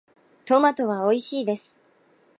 トマトはおいしいです。